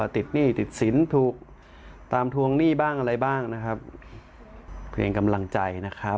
หนี้ติดสินถูกตามทวงหนี้บ้างอะไรบ้างนะครับเพลงกำลังใจนะครับ